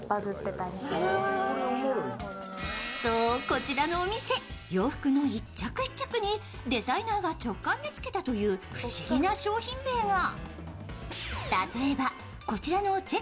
こちらのお店、洋服の１着１着にデザイナーが直感でつけたという不思議な商品名が。